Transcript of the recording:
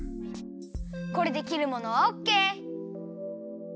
これできるものはオッケー！